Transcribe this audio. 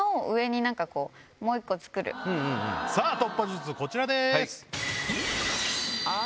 さぁ突破術こちらです。